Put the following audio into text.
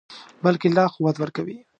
بلکې لا قوت ورکوي.